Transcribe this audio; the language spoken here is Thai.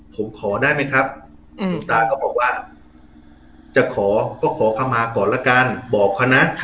ผมขอได้ไหมครับคุณตาก็บอกว่าจะขอก็ขอเข้ามาก่อนละกันบอกเขานะ